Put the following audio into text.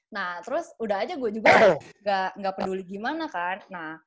nah terus udah aja gue juga gak peduli gimana kan